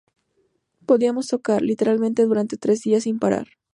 Podíamos tocar, literalmente, durante tres días sin parar.